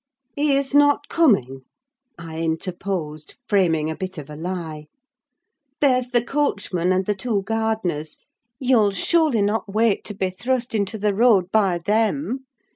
"He is not coming," I interposed, framing a bit of a lie. "There's the coachman and the two gardeners; you'll surely not wait to be thrust into the road by them!